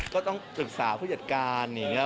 ก็ต้องอุปสรรคผู้จัดการ